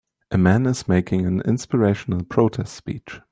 A man is making an inspirational protest speech